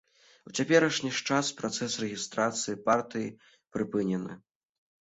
У цяперашні ж час працэс рэгістрацыі партыі прыпынены.